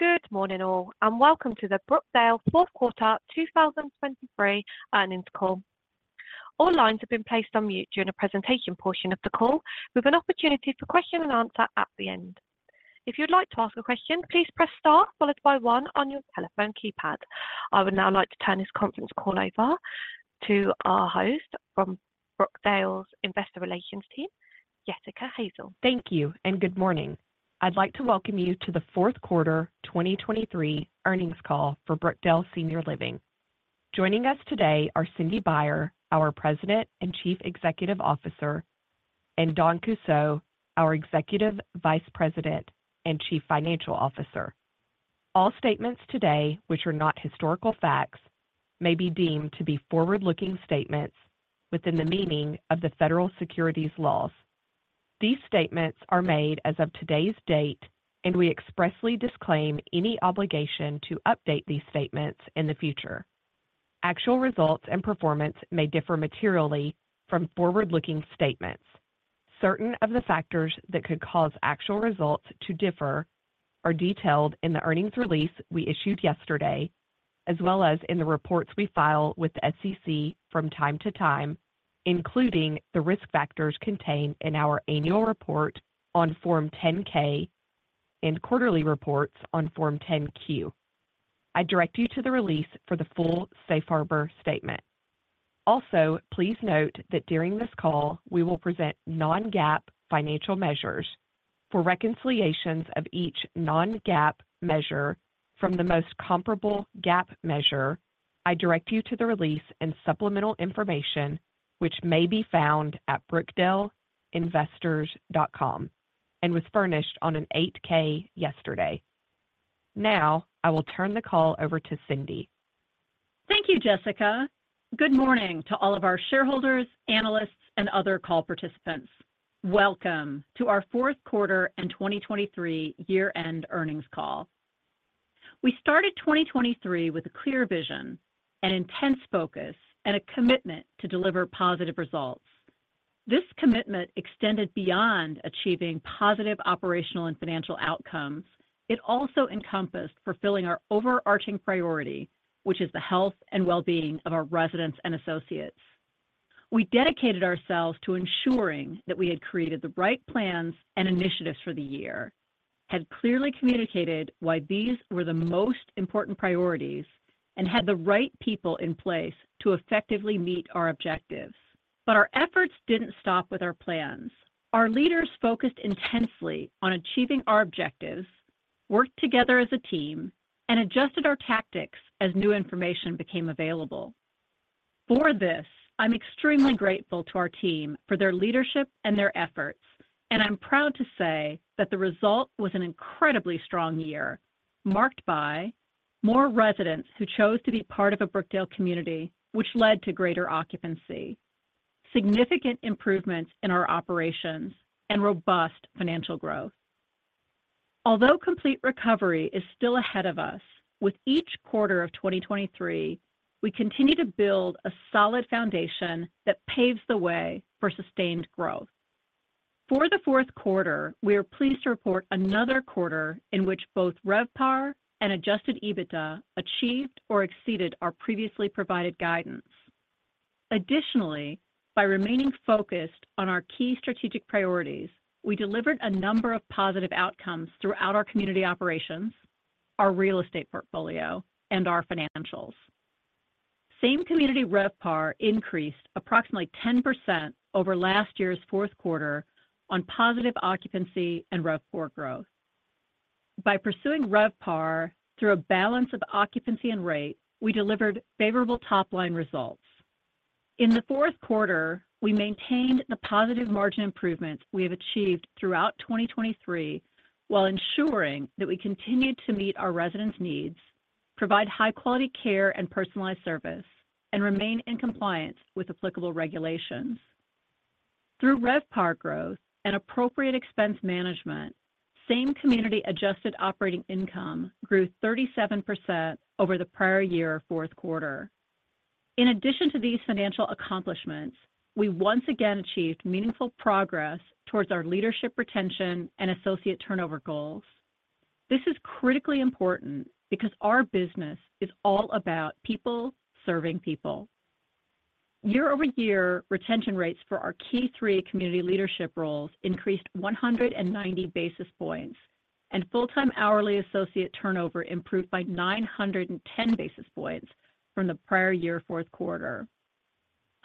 Good morning all, and welcome to the Brookdale fourth quarter 2023 earnings call. All lines have been placed on mute during the presentation portion of the call, with an opportunity for question and answer at the end. If you'd like to ask a question, please press star followed by 1 on your telephone keypad. I would now like to turn this conference call over to our host from Brookdale's Investor Relations team, Jessica Hazel. Thank you and good morning. I'd like to welcome you to the fourth quarter 2023 earnings call for Brookdale Senior Living. Joining us today are Cindy Baier, our President and Chief Executive Officer, and Dawn Kussow, our Executive Vice President and Chief Financial Officer. All statements today, which are not historical facts, may be deemed to be forward-looking statements within the meaning of the federal securities laws. These statements are made as of today's date, and we expressly disclaim any obligation to update these statements in the future. Actual results and performance may differ materially from forward-looking statements. Certain of the factors that could cause actual results to differ are detailed in the earnings release we issued yesterday, as well as in the reports we file with the SEC from time to time, including the risk factors contained in our annual report on Form 10-K and quarterly reports on Form 10-Q. I direct you to the release for the full safe harbor statement. Also, please note that during this call we will present non-GAAP financial measures. For reconciliations of each non-GAAP measure from the most comparable GAAP measure, I direct you to the release and supplemental information, which may be found at brookdaleinvestors.com and was furnished on an 8-K yesterday. Now I will turn the call over to Cindy. Thank you, Jessica. Good morning to all of our shareholders, analysts, and other call participants. Welcome to our fourth quarter and 2023 year-end earnings call. We started 2023 with a clear vision, an intense focus, and a commitment to deliver positive results. This commitment extended beyond achieving positive operational and financial outcomes. It also encompassed fulfilling our overarching priority, which is the health and well-being of our residents and associates. We dedicated ourselves to ensuring that we had created the right plans and initiatives for the year, had clearly communicated why these were the most important priorities, and had the right people in place to effectively meet our objectives. Our efforts didn't stop with our plans. Our leaders focused intensely on achieving our objectives, worked together as a team, and adjusted our tactics as new information became available. For this, I'm extremely grateful to our team for their leadership and their efforts, and I'm proud to say that the result was an incredibly strong year marked by more residents who chose to be part of a Brookdale community, which led to greater occupancy, significant improvements in our operations, and robust financial growth. Although complete recovery is still ahead of us, with each quarter of 2023 we continue to build a solid foundation that paves the way for sustained growth. For the fourth quarter, we are pleased to report another quarter in which both RevPAR and Adjusted EBITDA achieved or exceeded our previously provided guidance. Additionally, by remaining focused on our key strategic priorities, we delivered a number of positive outcomes throughout our community operations, our real estate portfolio, and our financials. Same-community RevPAR increased approximately 10% over last year's fourth quarter on positive occupancy and RevPAR growth. By pursuing RevPAR through a balance of occupancy and rate, we delivered favorable top-line results. In the fourth quarter, we maintained the positive margin improvements we have achieved throughout 2023 while ensuring that we continue to meet our residents' needs, provide high-quality care and personalized service, and remain in compliance with applicable regulations. Through RevPAR growth and appropriate expense management, same-community adjusted operating income grew 37% over the prior year fourth quarter. In addition to these financial accomplishments, we once again achieved meaningful progress towards our leadership retention and associate turnover goals. This is critically important because our business is all about people serving people. Year-over-year, retention rates for our key three community leadership roles increased 190 basis points, and full-time hourly associate turnover improved by 910 basis points from the prior year fourth quarter.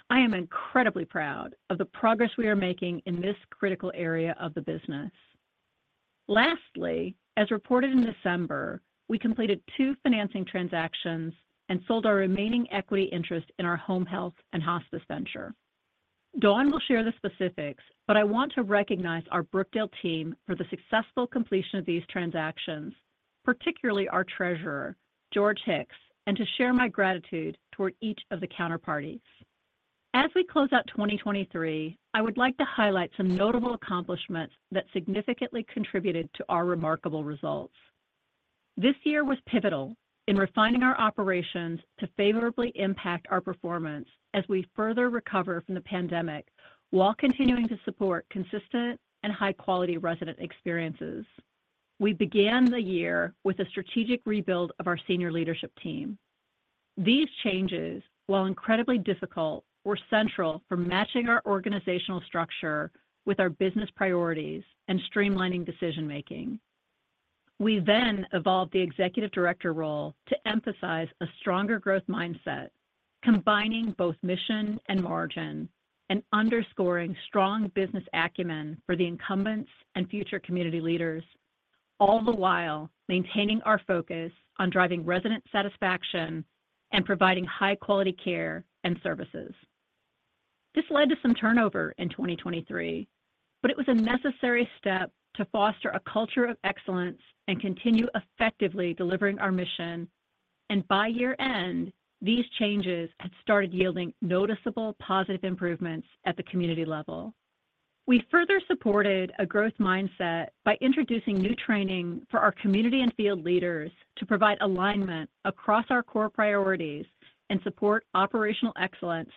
I am incredibly proud of the progress we are making in this critical area of the business. Lastly, as reported in December, we completed 2 financing transactions and sold our remaining equity interest in our home health and hospice venture. Dawn will share the specifics, but I want to recognize our Brookdale team for the successful completion of these transactions, particularly our Treasurer, George Hicks, and to share my gratitude toward each of the counterparties. As we close out 2023, I would like to highlight some notable accomplishments that significantly contributed to our remarkable results. This year was pivotal in refining our operations to favorably impact our performance as we further recover from the pandemic while continuing to support consistent and high-quality resident experiences. We began the year with a strategic rebuild of our senior leadership team. These changes, while incredibly difficult, were central for matching our organizational structure with our business priorities and streamlining decision-making. We then evolved the executive director role to emphasize a stronger growth mindset, combining both mission and margin, and underscoring strong business acumen for the incumbents and future community leaders, all the while maintaining our focus on driving resident satisfaction and providing high-quality care and services. This led to some turnover in 2023, but it was a necessary step to foster a culture of excellence and continue effectively delivering our mission, and by year-end, these changes had started yielding noticeable positive improvements at the community level. We further supported a growth mindset by introducing new training for our community and field leaders to provide alignment across our core priorities and support operational excellence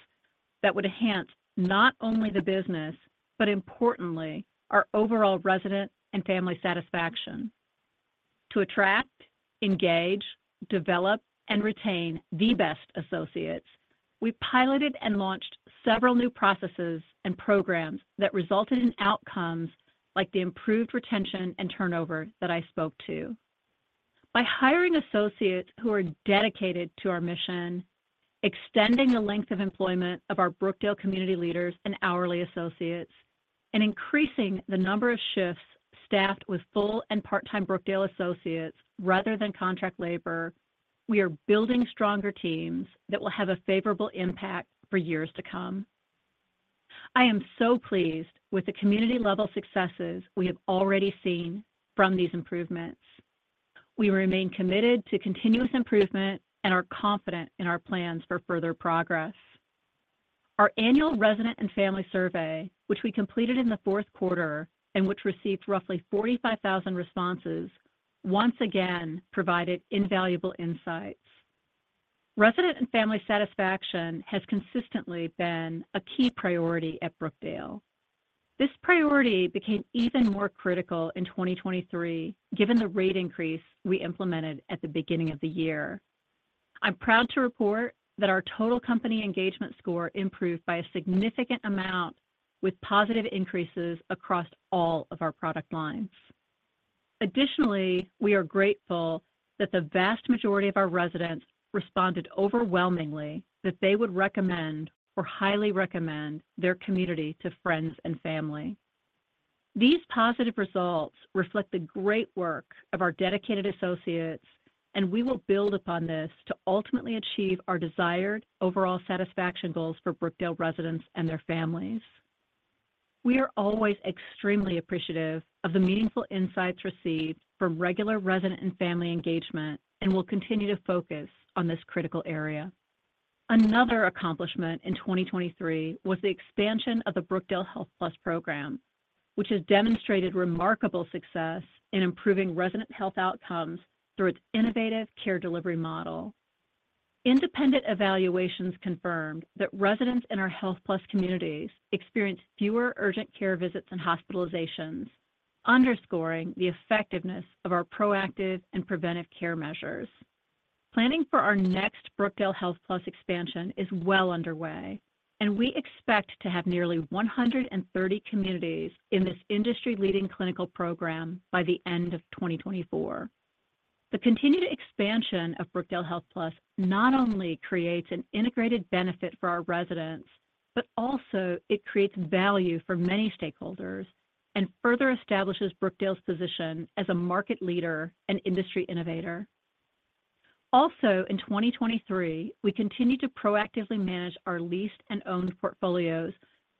that would enhance not only the business but, importantly, our overall resident and family satisfaction. To attract, engage, develop, and retain the best associates, we piloted and launched several new processes and programs that resulted in outcomes like the improved retention and turnover that I spoke to. By hiring associates who are dedicated to our mission, extending the length of employment of our Brookdale community leaders and hourly associates, and increasing the number of shifts staffed with full and part-time Brookdale associates rather than contract labor, we are building stronger teams that will have a favorable impact for years to come. I am so pleased with the community-level successes we have already seen from these improvements. We remain committed to continuous improvement and are confident in our plans for further progress. Our annual resident and family survey, which we completed in the fourth quarter and which received roughly 45,000 responses, once again provided invaluable insights. Resident and family satisfaction has consistently been a key priority at Brookdale. This priority became even more critical in 2023 given the rate increase we implemented at the beginning of the year. I'm proud to report that our total company engagement score improved by a significant amount with positive increases across all of our product lines. Additionally, we are grateful that the vast majority of our residents responded overwhelmingly that they would recommend or highly recommend their community to friends and family. These positive results reflect the great work of our dedicated associates, and we will build upon this to ultimately achieve our desired overall satisfaction goals for Brookdale residents and their families. We are always extremely appreciative of the meaningful insights received from regular resident and family engagement and will continue to focus on this critical area. Another accomplishment in 2023 was the expansion of the Brookdale HealthPlus program, which has demonstrated remarkable success in improving resident health outcomes through its innovative care delivery model. Independent evaluations confirmed that residents in our HealthPlus communities experienced fewer urgent care visits and hospitalizations, underscoring the effectiveness of our proactive and preventive care measures. Planning for our next Brookdale HealthPlus expansion is well underway, and we expect to have nearly 130 communities in this industry-leading clinical program by the end of 2024. The continued expansion of Brookdale HealthPlus not only creates an integrated benefit for our residents, but also it creates value for many stakeholders and further establishes Brookdale's position as a market leader and industry innovator. Also, in 2023, we continue to proactively manage our leased and owned portfolios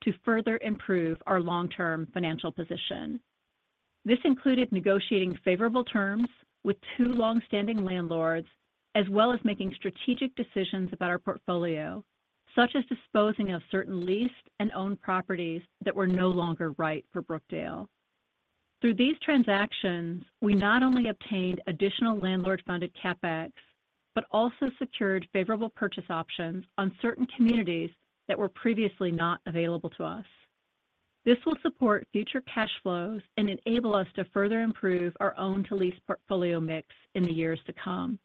to further improve our long-term financial position. This included negotiating favorable terms with two longstanding landlords, as well as making strategic decisions about our portfolio, such as disposing of certain leased and owned properties that were no longer right for Brookdale. Through these transactions, we not only obtained additional landlord-funded CapEx, but also secured favorable purchase options on certain communities that were previously not available to us. This will support future cash flows and enable us to further improve our own-to-lease portfolio mix in the years to come.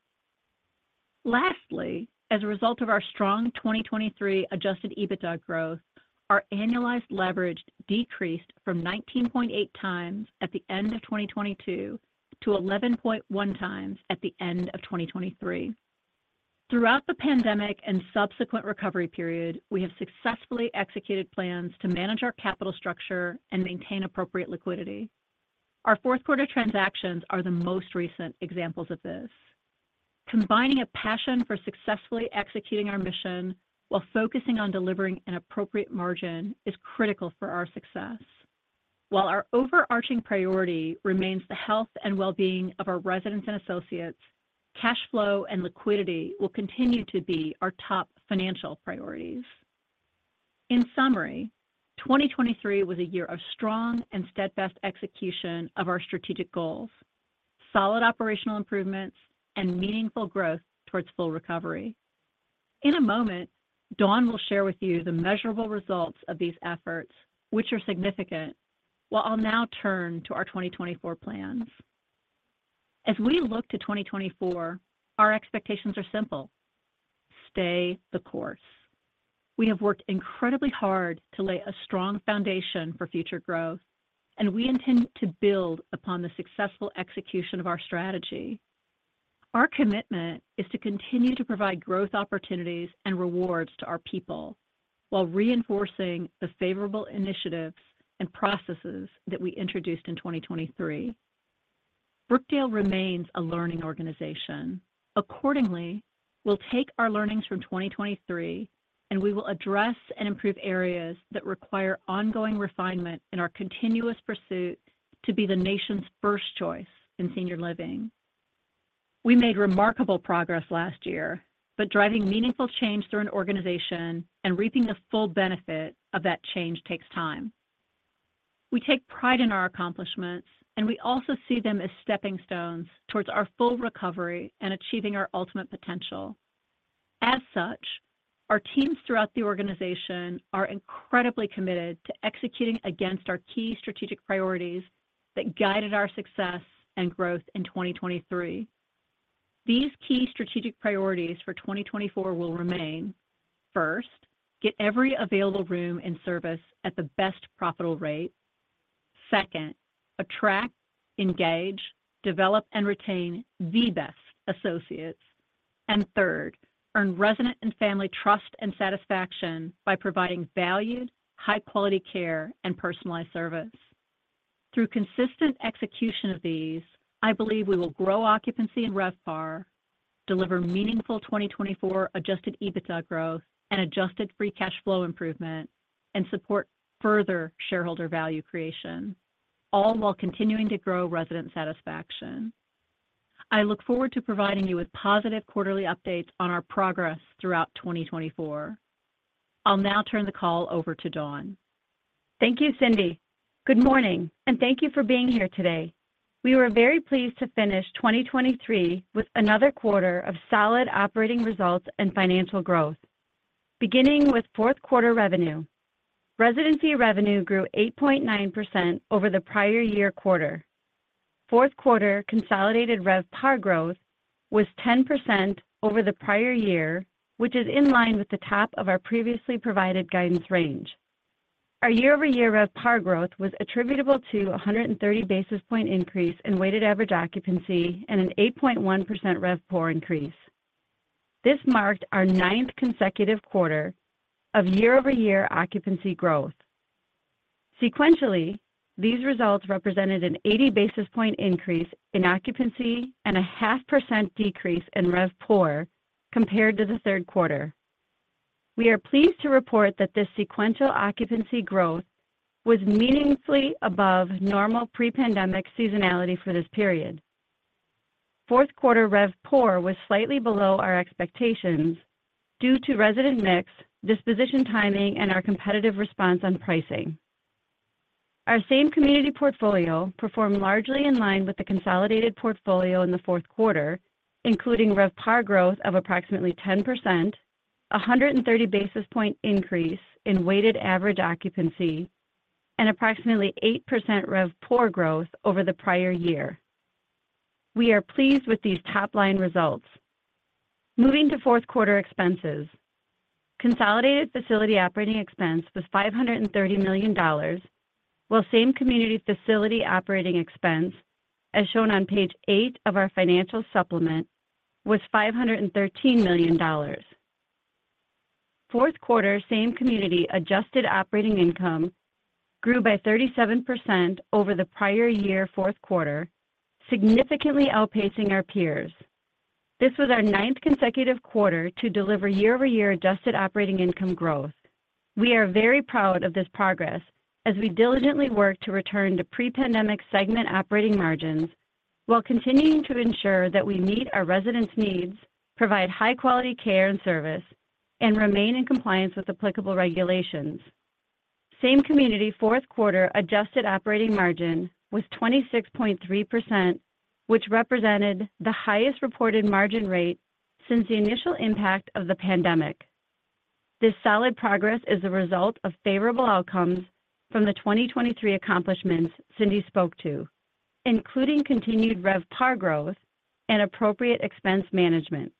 Lastly, as a result of our strong 2023 Adjusted EBITDA growth, our annualized leverage decreased from 19.8x at the end of 2022 to 11.1x at the end of 2023. Throughout the pandemic and subsequent recovery period, we have successfully executed plans to manage our capital structure and maintain appropriate liquidity. Our fourth quarter transactions are the most recent examples of this. Combining a passion for successfully executing our mission while focusing on delivering an appropriate margin is critical for our success. While our overarching priority remains the health and well-being of our residents and associates, cash flow and liquidity will continue to be our top financial priorities. In summary, 2023 was a year of strong and steadfast execution of our strategic goals, solid operational improvements, and meaningful growth towards full recovery. In a moment, Dawn will share with you the measurable results of these efforts, which are significant, while I'll now turn to our 2024 plans. As we look to 2024, our expectations are simple: stay the course. We have worked incredibly hard to lay a strong foundation for future growth, and we intend to build upon the successful execution of our strategy. Our commitment is to continue to provide growth opportunities and rewards to our people while reinforcing the favorable initiatives and processes that we introduced in 2023. Brookdale remains a learning organization. Accordingly, we'll take our learnings from 2023, and we will address and improve areas that require ongoing refinement in our continuous pursuit to be the nation's first choice in senior living. We made remarkable progress last year, but driving meaningful change through an organization and reaping the full benefit of that change takes time. We take pride in our accomplishments, and we also see them as stepping stones towards our full recovery and achieving our ultimate potential. As such, our teams throughout the organization are incredibly committed to executing against our key strategic priorities that guided our success and growth in 2023. These key strategic priorities for 2024 will remain: first, get every available room in service at the best profitable rate; second, attract, engage, develop, and retain the best associates; and third, earn resident and family trust and satisfaction by providing valued, high-quality care and personalized service. Through consistent execution of these, I believe we will grow occupancy in RevPAR, deliver meaningful 2024 Adjusted EBITDA growth and Adjusted Free Cash Flow improvement, and support further shareholder value creation, all while continuing to grow resident satisfaction. I look forward to providing you with positive quarterly updates on our progress throughout 2024. I'll now turn the call over to Dawn. Thank you, Cindy. Good morning, and thank you for being here today. We were very pleased to finish 2023 with another quarter of solid operating results and financial growth, beginning with fourth quarter revenue. Residency revenue grew 8.9% over the prior year quarter. Fourth quarter consolidated RevPAR growth was 10% over the prior year, which is in line with the top of our previously provided guidance range. Our year-over-year RevPAR growth was attributable to a 130-basis-point increase in weighted average occupancy and an 8.1% RevPOR increase. This marked our ninth consecutive quarter of year-over-year occupancy growth. Sequentially, these results represented an 80-basis-point increase in occupancy and a 0.5% decrease in RevPOR compared to the third quarter. We are pleased to report that this sequential occupancy growth was meaningfully above normal pre-pandemic seasonality for this period. Fourth quarter RevPOR was slightly below our expectations due to resident mix, disposition timing, and our competitive response on pricing. Our same community portfolio performed largely in line with the consolidated portfolio in the fourth quarter, including RevPAR growth of approximately 10%, a 130-basis-point increase in weighted average occupancy, and approximately 8% RevPOR growth over the prior year. We are pleased with these top-line results. Moving to fourth quarter expenses. Consolidated facility operating expense was $530 million, while same community facility operating expense, as shown on page 8 of our financial supplement, was $513 million. Fourth quarter same community adjusted operating income grew by 37% over the prior year fourth quarter, significantly outpacing our peers. This was our ninth consecutive quarter to deliver year-over-year adjusted operating income growth. We are very proud of this progress as we diligently work to return to pre-pandemic segment operating margins while continuing to ensure that we meet our residents' needs, provide high-quality care and service, and remain in compliance with applicable regulations. Same community fourth quarter adjusted operating margin was 26.3%, which represented the highest reported margin rate since the initial impact of the pandemic. This solid progress is the result of favorable outcomes from the 2023 accomplishments Cindy spoke to, including continued RevPAR growth and appropriate expense management.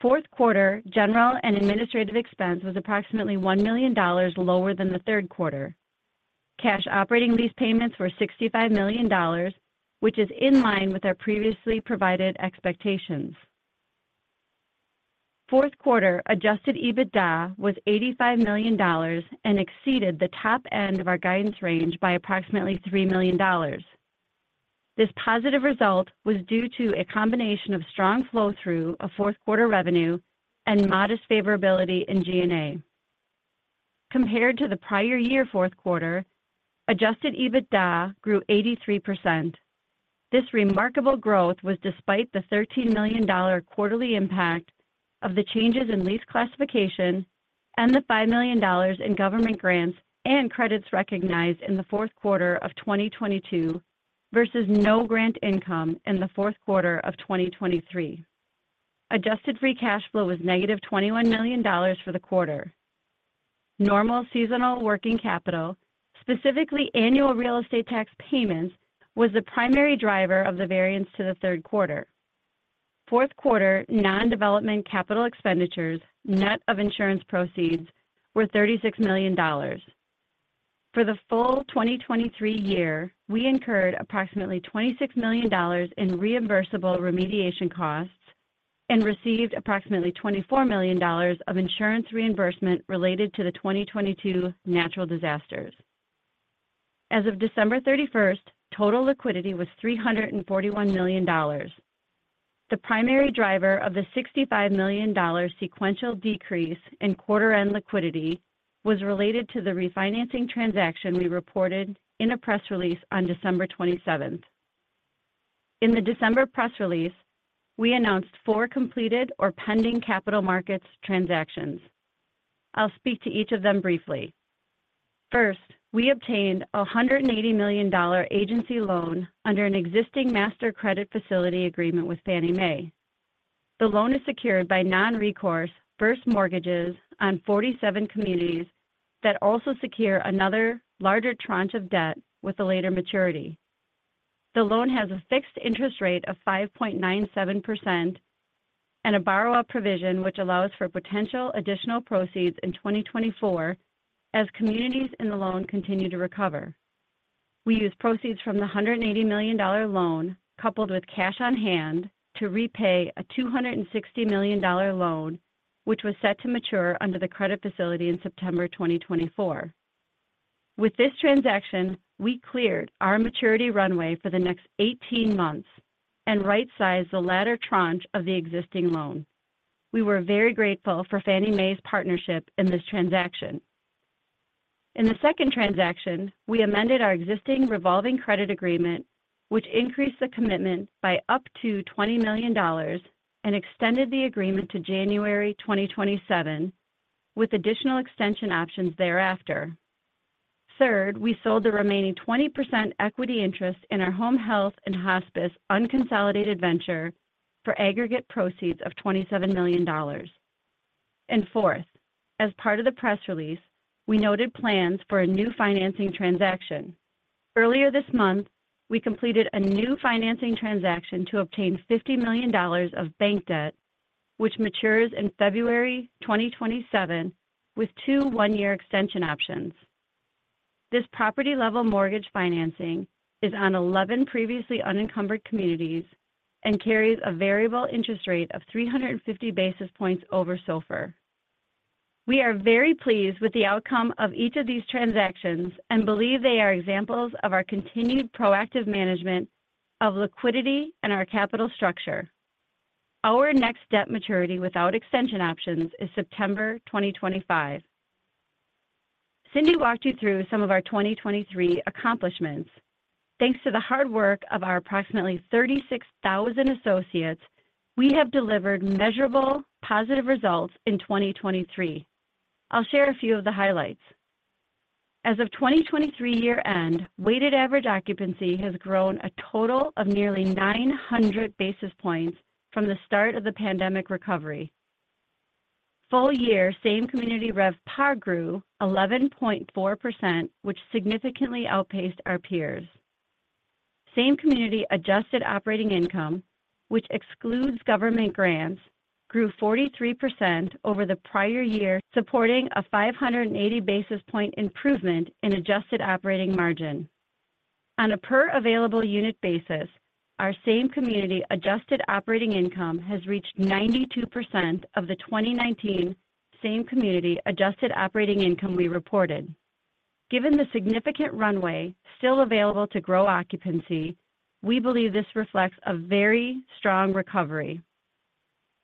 Fourth quarter general and administrative expense was approximately $1 million lower than the third quarter. Cash operating lease payments were $65 million, which is in line with our previously provided expectations. Fourth quarter adjusted EBITDA was $85 million and exceeded the top end of our guidance range by approximately $3 million. This positive result was due to a combination of strong flow-through of fourth quarter revenue and modest favorability in G&A. Compared to the prior year fourth quarter, adjusted EBITDA grew 83%. This remarkable growth was despite the $13 million quarterly impact of the changes in lease classification and the $5 million in government grants and credits recognized in the fourth quarter of 2022 versus no grant income in the fourth quarter of 2023. Adjusted Free Cash Flow was negative $21 million for the quarter. Normal seasonal working capital, specifically annual real estate tax payments, was the primary driver of the variance to the third quarter. Fourth quarter non-development capital expenditures, net of insurance proceeds, were $36 million. For the full 2023 year, we incurred approximately $26 million in reimbursable remediation costs and received approximately $24 million of insurance reimbursement related to the 2022 natural disasters. As of December 31st, total liquidity was $341 million. The primary driver of the $65 million sequential decrease in quarter-end liquidity was related to the refinancing transaction we reported in a press release on December 27th. In the December press release, we announced four completed or pending capital markets transactions. I'll speak to each of them briefly. First, we obtained a $180 million agency loan under an existing master credit facility agreement with Fannie Mae. The loan is secured by non-recourse first mortgages on 47 communities that also secure another larger tranche of debt with a later maturity. The loan has a fixed interest rate of 5.97% and a borrow-up provision which allows for potential additional proceeds in 2024 as communities in the loan continue to recover. We used proceeds from the $180 million loan coupled with cash on hand to repay a $260 million loan which was set to mature under the credit facility in September 2024. With this transaction, we cleared our maturity runway for the next 18 months and right-sized the latter tranche of the existing loan. We were very grateful for Fannie Mae's partnership in this transaction. In the second transaction, we amended our existing revolving credit agreement which increased the commitment by up to $20 million and extended the agreement to January 2027 with additional extension options thereafter. Third, we sold the remaining 20% equity interest in our home health and hospice unconsolidated venture for aggregate proceeds of $27 million. And fourth, as part of the press release, we noted plans for a new financing transaction. Earlier this month, we completed a new financing transaction to obtain $50 million of bank debt which matures in February 2027 with two one-year extension options. This property-level mortgage financing is on 11 previously unencumbered communities and carries a variable interest rate of 350 basis points over SOFR. We are very pleased with the outcome of each of these transactions and believe they are examples of our continued proactive management of liquidity and our capital structure. Our next debt maturity without extension options is September 2025. Cindy walked you through some of our 2023 accomplishments. Thanks to the hard work of our approximately 36,000 associates, we have delivered measurable positive results in 2023. I'll share a few of the highlights. As of 2023 year-end, weighted average occupancy has grown a total of nearly 900 basis points from the start of the pandemic recovery. Full year, same community RevPAR grew 11.4%, which significantly outpaced our peers. Same community adjusted operating income, which excludes government grants, grew 43% over the prior year, supporting a 580 basis point improvement in adjusted operating margin. On a per-available unit basis, our same community Adjusted Operating Income has reached 92% of the 2019 same community Adjusted Operating Income we reported. Given the significant runway still available to grow occupancy, we believe this reflects a very strong recovery.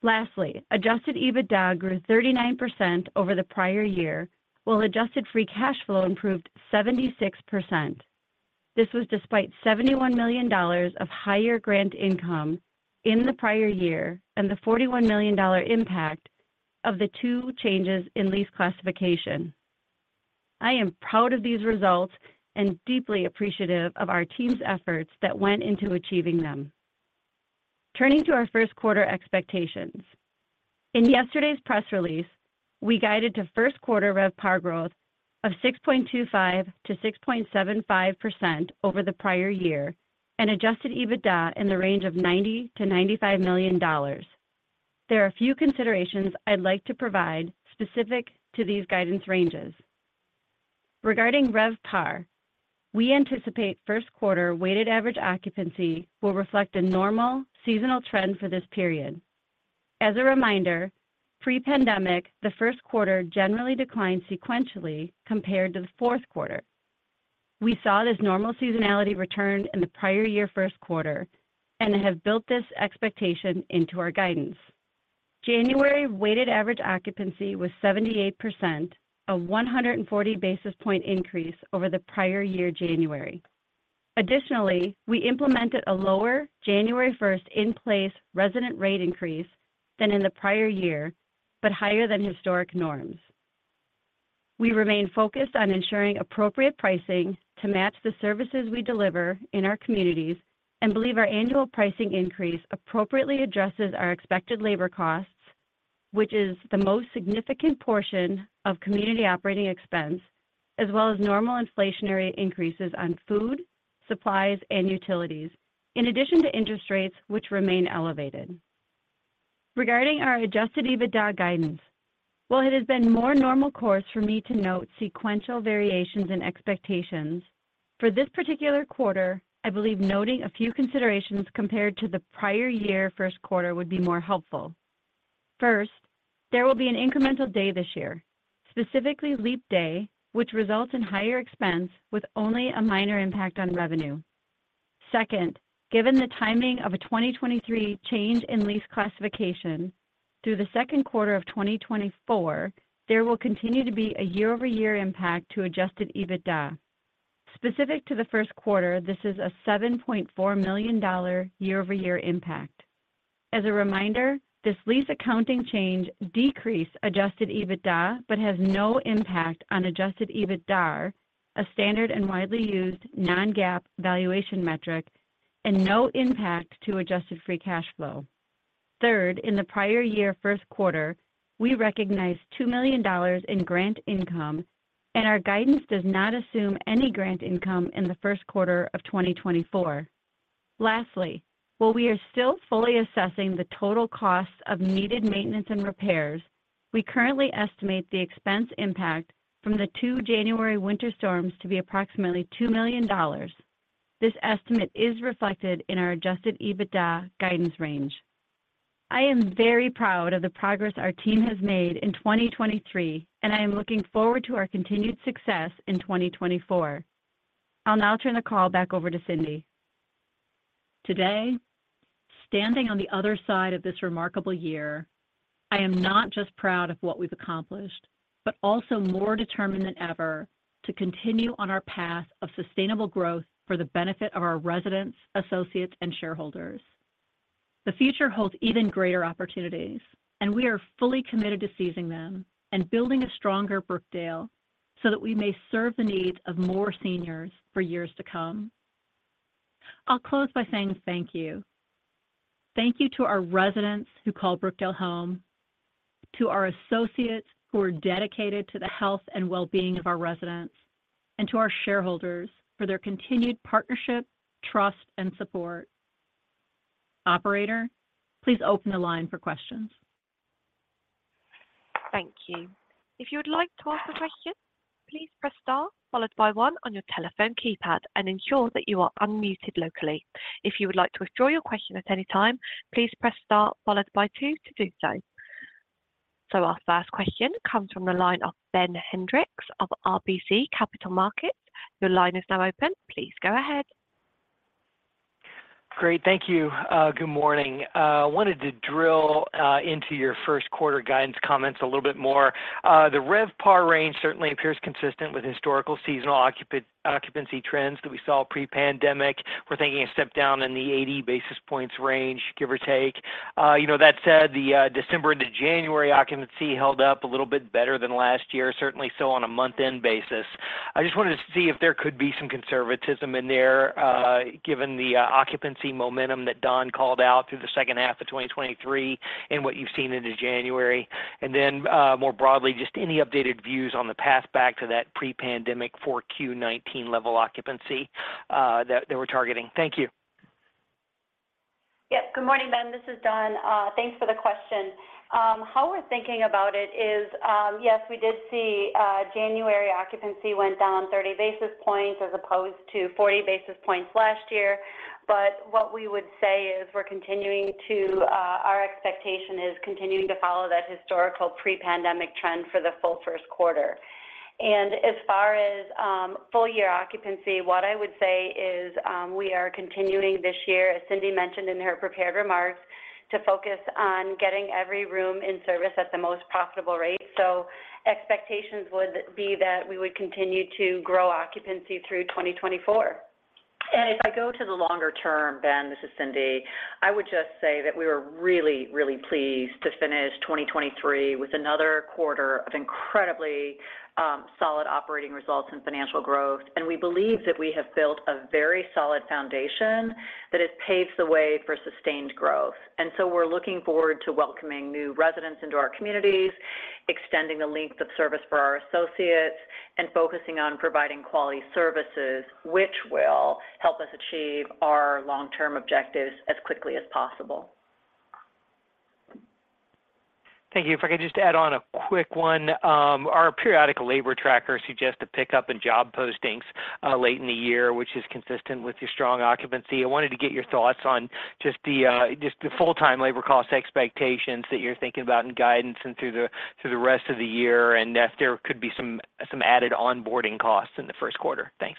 Lastly, Adjusted EBITDA grew 39% over the prior year, while Adjusted Free Cash Flow improved 76%. This was despite $71 million of higher grant income in the prior year and the $41 million impact of the two changes in lease classification. I am proud of these results and deeply appreciative of our team's efforts that went into achieving them. Turning to our first quarter expectations. In yesterday's press release, we guided to first quarter RevPAR growth of 6.25%-6.75% over the prior year and Adjusted EBITDA in the range of $90 million-$95 million. There are a few considerations I'd like to provide specific to these guidance ranges. Regarding RevPAR, we anticipate first quarter weighted average occupancy will reflect a normal seasonal trend for this period. As a reminder, pre-pandemic, the first quarter generally declined sequentially compared to the fourth quarter. We saw this normal seasonality return in the prior year first quarter and have built this expectation into our guidance. January weighted average occupancy was 78%, a 140 basis point increase over the prior year January. Additionally, we implemented a lower January 1st in-place resident rate increase than in the prior year but higher than historic norms. We remain focused on ensuring appropriate pricing to match the services we deliver in our communities and believe our annual pricing increase appropriately addresses our expected labor costs, which is the most significant portion of community operating expense, as well as normal inflationary increases on food, supplies, and utilities, in addition to interest rates which remain elevated. Regarding our Adjusted EBITDA guidance. While it has been more normal course for me to note sequential variations in expectations, for this particular quarter, I believe noting a few considerations compared to the prior year first quarter would be more helpful. First, there will be an incremental day this year, specifically leap day, which results in higher expense with only a minor impact on revenue. Second, given the timing of a 2023 change in lease classification, through the second quarter of 2024, there will continue to be a year-over-year impact to Adjusted EBITDA. Specific to the first quarter, this is a $7.4 million year-over-year impact. As a reminder, this lease accounting change decreased Adjusted EBITDA but has no impact on Adjusted EBITDAR, a standard and widely used non-GAAP valuation metric, and no impact to Adjusted Free Cash Flow. Third, in the prior year first quarter, we recognize $2 million in grant income, and our guidance does not assume any grant income in the first quarter of 2024. Lastly, while we are still fully assessing the total costs of needed maintenance and repairs, we currently estimate the expense impact from the two January winter storms to be approximately $2 million. This estimate is reflected in our Adjusted EBITDA guidance range. I am very proud of the progress our team has made in 2023, and I am looking forward to our continued success in 2024. I'll now turn the call back over to Cindy. Today, standing on the other side of this remarkable year, I am not just proud of what we've accomplished but also more determined than ever to continue on our path of sustainable growth for the benefit of our residents, associates, and shareholders. The future holds even greater opportunities, and we are fully committed to seizing them and building a stronger Brookdale so that we may serve the needs of more seniors for years to come. I'll close by saying thank you. Thank you to our residents who call Brookdale home, to our associates who are dedicated to the health and well-being of our residents, and to our shareholders for their continued partnership, trust, and support. Operator, please open the line for questions. Thank you. If you would like to ask a question, please press star followed by one on your telephone keypad and ensure that you are unmuted locally. If you would like to withdraw your question at any time, please press star followed by two to do so. Our first question comes from the line of Ben Hendrix of RBC Capital Markets. Your line is now open. Please go ahead. Great. Thank you. Good morning. I wanted to drill into your first quarter guidance comments a little bit more. The RevPAR range certainly appears consistent with historical seasonal occupancy trends that we saw pre-pandemic. We're thinking a step down in the 80 basis points range, give or take. That said, the December into January occupancy held up a little bit better than last year, certainly so on a month-end basis. I just wanted to see if there could be some conservatism in there given the occupancy momentum that Dawn called out through the second half of 2023 and what you've seen into January. And then more broadly, just any updated views on the path back to that pre-pandemic 4Q19 level occupancy that we're targeting. Thank you. Yep. Good morning, Ben. This is Dawn. Thanks for the question. How we're thinking about it is, yes, we did see January occupancy went down 30 basis points as opposed to 40 basis points last year. But what we would say is we're continuing to our expectation is continuing to follow that historical pre-pandemic trend for the full first quarter. And as far as full-year occupancy, what I would say is we are continuing this year, as Cindy mentioned in her prepared remarks, to focus on getting every room in service at the most profitable rate. So expectations would be that we would continue to grow occupancy through 2024. If I go to the longer term, Ben, this is Cindy, I would just say that we were really, really pleased to finish 2023 with another quarter of incredibly solid operating results and financial growth. We believe that we have built a very solid foundation that has paved the way for sustained growth. So we're looking forward to welcoming new residents into our communities, extending the length of service for our associates, and focusing on providing quality services, which will help us achieve our long-term objectives as quickly as possible. Thank you. If I could just add on a quick one. Our periodic labor tracker suggests a pickup in job postings late in the year, which is consistent with your strong occupancy. I wanted to get your thoughts on just the full-time labor cost expectations that you're thinking about in guidance and through the rest of the year and if there could be some added onboarding costs in the first quarter? Thanks.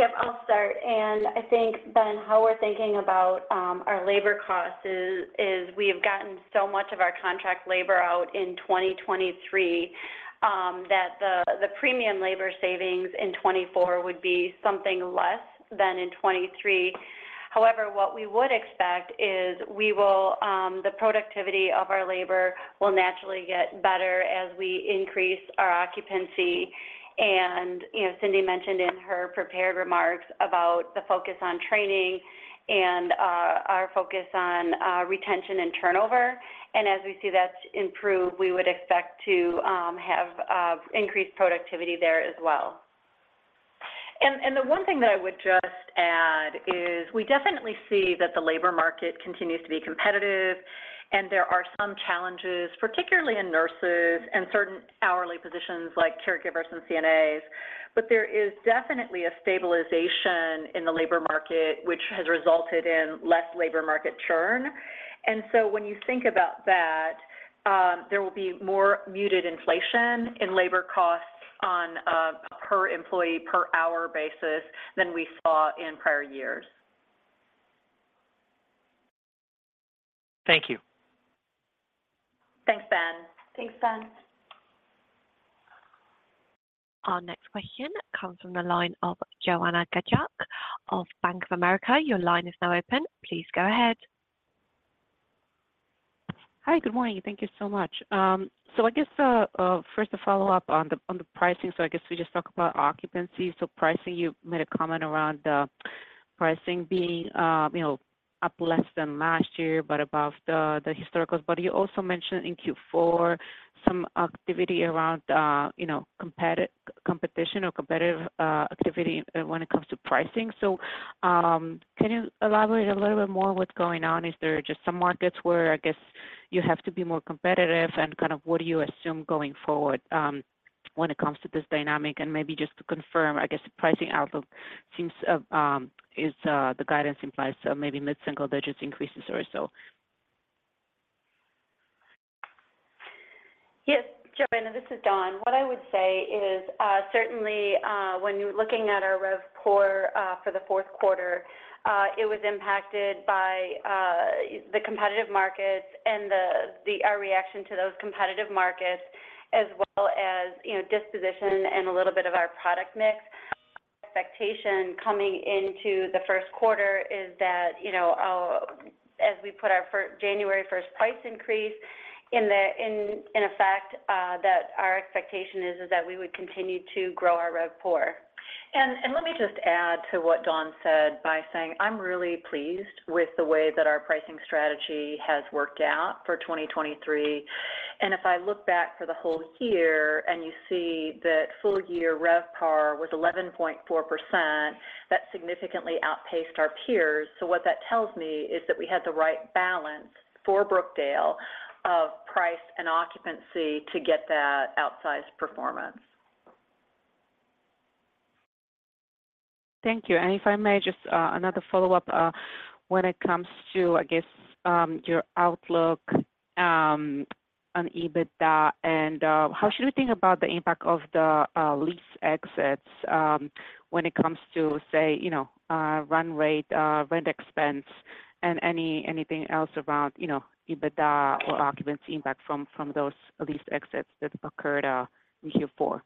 Yep. I'll start. And I think, Ben, how we're thinking about our labor costs is we have gotten so much of our contract labor out in 2023 that the premium labor savings in 2024 would be something less than in 2023. However, what we would expect is we will the productivity of our labor will naturally get better as we increase our occupancy. And Cindy mentioned in her prepared remarks about the focus on training and our focus on retention and turnover. And as we see that improve, we would expect to have increased productivity there as well. The one thing that I would just add is we definitely see that the labor market continues to be competitive, and there are some challenges, particularly in nurses and certain hourly positions like caregivers and CNAs. But there is definitely a stabilization in the labor market, which has resulted in less labor market churn. And so when you think about that, there will be more muted inflation in labor costs on a per-employee, per-hour basis than we saw in prior years. Thank you. Thanks, Ben. Thanks, Ben. Our next question comes from the line of Joanna Gajuk of Bank of America. Your line is now open. Please go ahead. Hi. Good morning. Thank you so much. So I guess first, a follow-up on the pricing. So I guess we just talked about occupancy. So pricing, you made a comment around the pricing being up less than last year but above the historicals. But you also mentioned in Q4 some activity around competition or competitive activity when it comes to pricing. So can you elaborate a little bit more what's going on? Is there just some markets where, I guess, you have to be more competitive? And kind of what do you assume going forward when it comes to this dynamic? And maybe just to confirm, I guess the pricing outlook seems as the guidance implies maybe mid-single digits increases or so. Yes. Joanna, this is Dawn. What I would say is certainly when you're looking at our RevPOR for the fourth quarter, it was impacted by the competitive markets and our reaction to those competitive markets as well as disposition and a little bit of our product mix. Expectation coming into the first quarter is that as we put our January 1st price increase in effect, that our expectation is that we would continue to grow our RevPOR. Let me just add to what Dawn said by saying I'm really pleased with the way that our pricing strategy has worked out for 2023. If I look back for the whole year and you see that full-year RevPOR was 11.4%, that significantly outpaced our peers. What that tells me is that we had the right balance for Brookdale of price and occupancy to get that outsized performance. Thank you. And if I may, just another follow-up. When it comes to, I guess, your outlook on EBITDA and how should we think about the impact of the lease exits when it comes to, say, run rate, rent expense, and anything else around EBITDA or occupancy impact from those lease exits that occurred in Q4?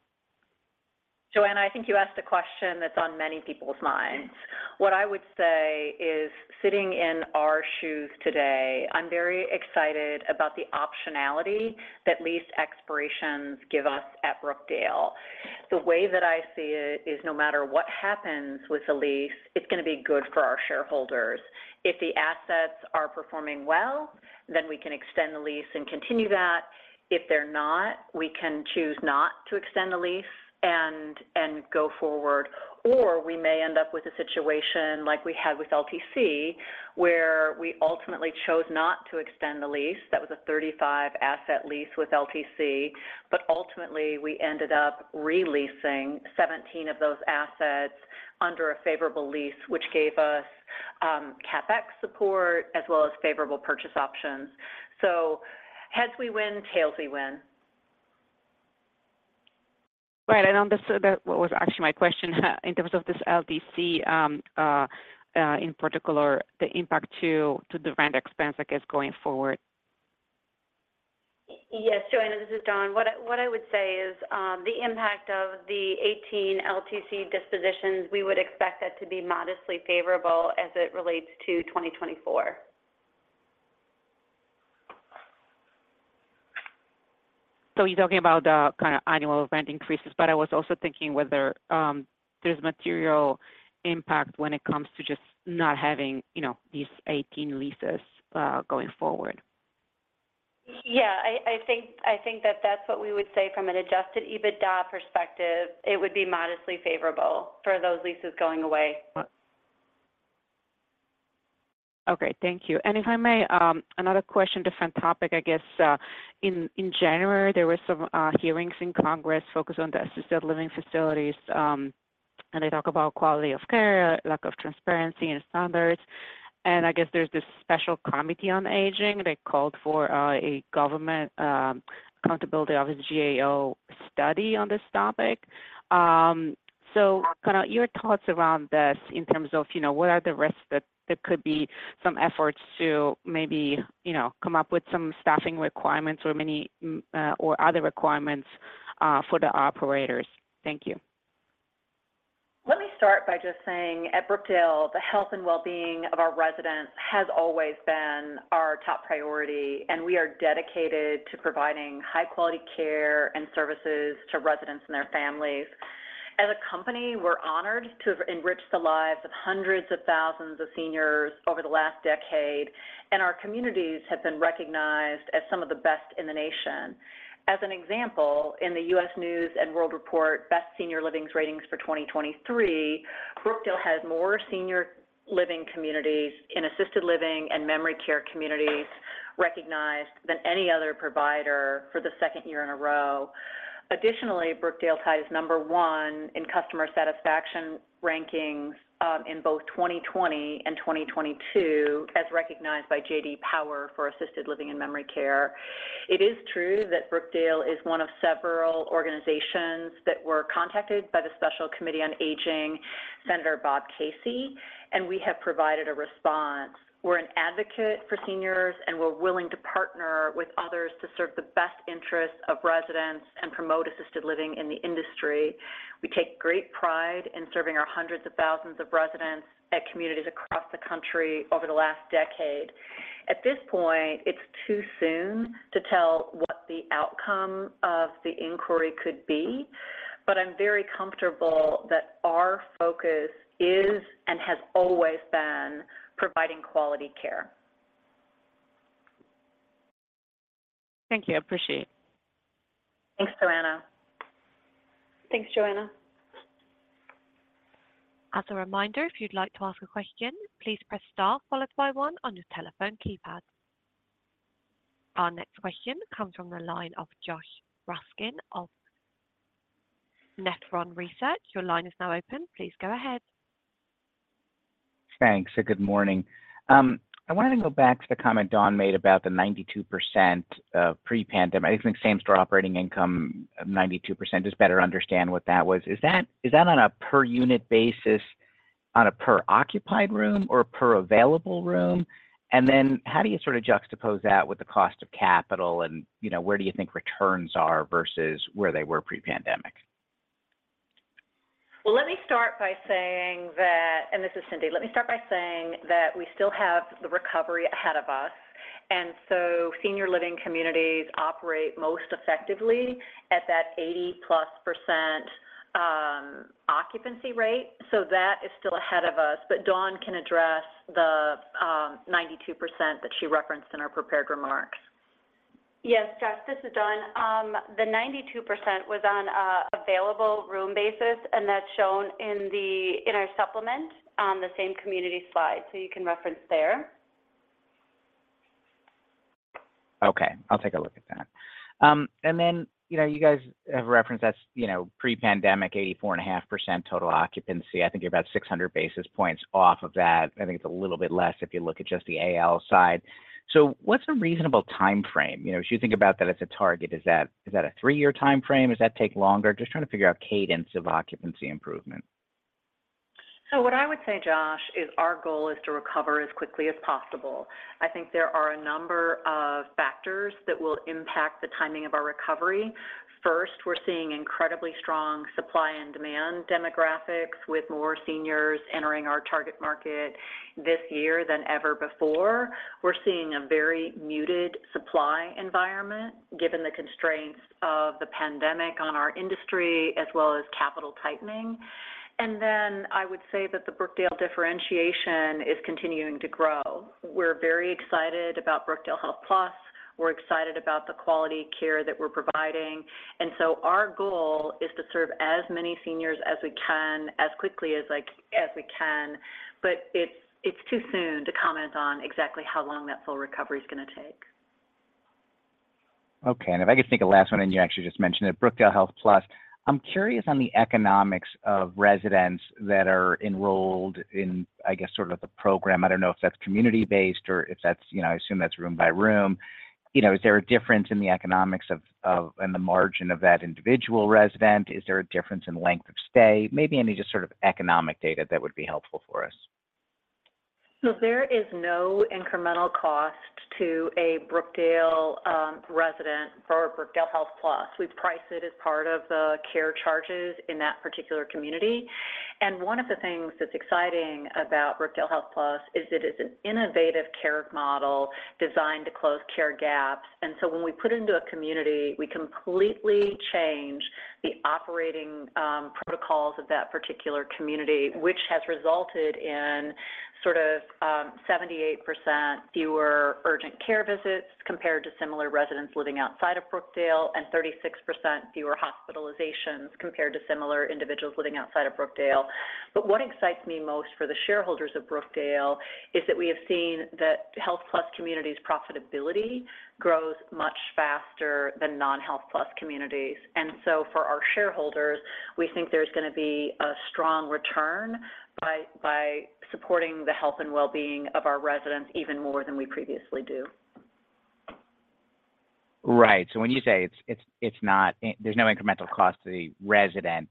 Joanna, I think you asked a question that's on many people's minds. What I would say is sitting in our shoes today, I'm very excited about the optionality that lease expirations give us at Brookdale. The way that I see it is no matter what happens with the lease, it's going to be good for our shareholders. If the assets are performing well, then we can extend the lease and continue that. If they're not, we can choose not to extend the lease and go forward. Or we may end up with a situation like we had with LTC where we ultimately chose not to extend the lease. That was a 35-asset lease with LTC. But ultimately, we ended up re-leasing 17 of those assets under a favorable lease, which gave us CapEx support as well as favorable purchase options. So heads we win, tails we win. Right. And what was actually my question? In terms of this LTC in particular, the impact to the rent expense, I guess, going forward. Yes. Joanna, this is Dawn. What I would say is the impact of the 18 LTC dispositions, we would expect that to be modestly favorable as it relates to 2024. So you're talking about the kind of annual rent increases. But I was also thinking whether there's material impact when it comes to just not having these 18 leases going forward? Yeah. I think that that's what we would say from an Adjusted EBITDA perspective. It would be modestly favorable for those leases going away. Okay. Thank you. And if I may, another question, different topic. I guess in January, there were some hearings in Congress focused on the assisted living facilities. And they talk about quality of care, lack of transparency, and standards. And I guess there's this Special Committee on Aging. They called for a Government Accountability Office GAO study on this topic. So kind of your thoughts around this in terms of what are the risks that there could be some efforts to maybe come up with some staffing requirements or other requirements for the operators? Thank you. Let me start by just saying at Brookdale, the health and well-being of our residents has always been our top priority. We are dedicated to providing high-quality care and services to residents and their families. As a company, we're honored to have enriched the lives of hundreds of thousands of seniors over the last decade. Our communities have been recognized as some of the best in the nation. As an example, in the U.S. News & World Report best senior living ratings for 2023, Brookdale has more senior living communities in assisted living and memory care communities recognized than any other provider for the second year in a row. Additionally, Brookdale tied as number one in customer satisfaction rankings in both 2020 and 2022 as recognized by J.D. Power for assisted living and memory care. It is true that Brookdale is one of several organizations that were contacted by the Special Committee on Aging, Senator Bob Casey. We have provided a response. We're an advocate for seniors, and we're willing to partner with others to serve the best interests of residents and promote assisted living in the industry. We take great pride in serving our hundreds of thousands of residents at communities across the country over the last decade. At this point, it's too soon to tell what the outcome of the inquiry could be. But I'm very comfortable that our focus is and has always been providing quality care. Thank you. I appreciate it. Thanks, Joanna. Thanks, Joanna. As a reminder, if you'd like to ask a question, please press star followed by one on your telephone keypad. Our next question comes from the line of Josh Raskin of Nephron Research. Your line is now open. Please go ahead. Thanks. Good morning. I wanted to go back to the comment Dawn made about the 92% pre-pandemic. I think same store operating income, 92%. Just better understand what that was. Is that on a per-unit basis, on a per-occupied room, or per-available room? And then how do you sort of juxtapose that with the cost of capital and where do you think returns are versus where they were pre-pandemic? Well, let me start by saying that, and this is Cindy. Let me start by saying that we still have the recovery ahead of us. And so senior living communities operate most effectively at that 80+% occupancy rate. So that is still ahead of us. But Dawn can address the 92% that she referenced in her prepared remarks. Yes, Josh. This is Dawn. The 92% was on an available room basis. That's shown in our supplement on the same community slide. You can reference there. Okay. I'll take a look at that. And then you guys have referenced that's pre-pandemic, 84.5% total occupancy. I think you're about 600 basis points off of that. I think it's a little bit less if you look at just the AL side. So what's a reasonable timeframe? If you think about that as a target, is that a three-year timeframe? Does that take longer? Just trying to figure out cadence of occupancy improvement. So what I would say, Josh, is our goal is to recover as quickly as possible. I think there are a number of factors that will impact the timing of our recovery. First, we're seeing incredibly strong supply and demand demographics with more seniors entering our target market this year than ever before. We're seeing a very muted supply environment given the constraints of the pandemic on our industry as well as capital tightening. And then I would say that the Brookdale differentiation is continuing to grow. We're very excited about Brookdale HealthPlus. We're excited about the quality care that we're providing. And so our goal is to serve as many seniors as we can as quickly as we can. But it's too soon to comment on exactly how long that full recovery is going to take. Okay. And if I could think of last one, and you actually just mentioned it, Brookdale HealthPlus. I'm curious on the economics of residents that are enrolled in, I guess, sort of the program. I don't know if that's community-based or if that's. I assume that's room by room. Is there a difference in the economics and the margin of that individual resident? Is there a difference in length of stay? Maybe any just sort of economic data that would be helpful for us. So there is no incremental cost to a Brookdale resident for Brookdale HealthPlus. We price it as part of the care charges in that particular community. And one of the things that's exciting about Brookdale HealthPlus is it is an innovative care model designed to close care gaps. And so when we put it into a community, we completely change the operating protocols of that particular community, which has resulted in sort of 78% fewer urgent care visits compared to similar residents living outside of Brookdale and 36% fewer hospitalizations compared to similar individuals living outside of Brookdale. But what excites me most for the shareholders of Brookdale is that we have seen that HealthPlus communities' profitability grows much faster than non-HealthPlus communities. For our shareholders, we think there's going to be a strong return by supporting the health and well-being of our residents even more than we previously do. Right. So when you say there's no incremental cost to the resident,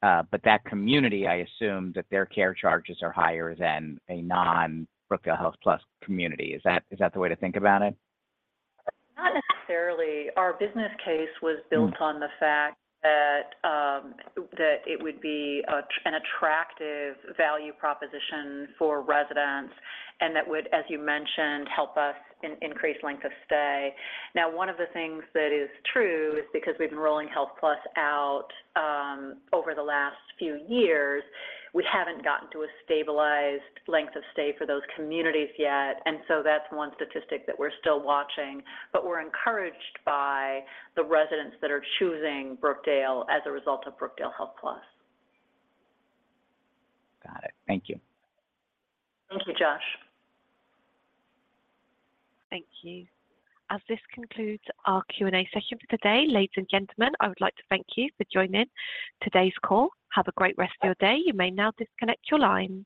but that community, I assume that their care charges are higher than a non-Brookdale HealthPlus community. Is that the way to think about it? Not necessarily. Our business case was built on the fact that it would be an attractive value proposition for residents and that would, as you mentioned, help us increase length of stay. Now, one of the things that is true is because we've been rolling HealthPlus out over the last few years, we haven't gotten to a stabilized length of stay for those communities yet. And so that's one statistic that we're still watching. But we're encouraged by the residents that are choosing Brookdale as a result of Brookdale HealthPlus. Got it. Thank you. Thank you, Josh. Thank you. As this concludes our Q&A session for today, ladies and gentlemen, I would like to thank you for joining today's call. Have a great rest of your day. You may now disconnect your line.